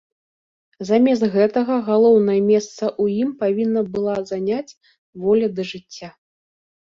Замест гэтага, галоўнае месца ў ім павінна была заняць воля да жыцця.